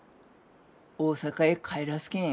大阪へ帰らすけん。